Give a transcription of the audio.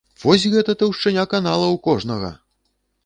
Вось гэта таўшчыня канала ў кожнага!